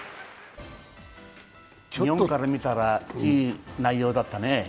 日本から見たらいい内容だったね。